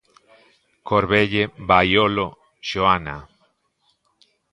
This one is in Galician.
Corvelle Baiolo, Xoana.